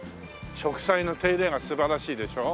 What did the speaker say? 植栽の手入れが素晴らしいでしょ？